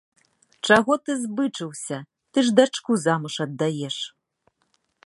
Чаго ты збычыўся, ты ж дачку замуж аддаеш.